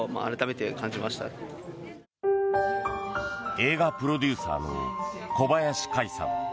映画プロデューサーの小林開さん。